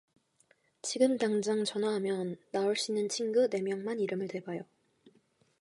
지금 당장 전화하면 나올 수 있는 친구 네 명만 이름을 대봐요.